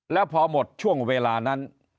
แล้วพอหมดช่วงเวลานั้น